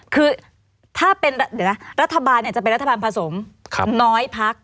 คือถ้าเป็นเดี๋ยวนะรัฐบาลจะเป็นรัฐบาลผสมน้อยพัก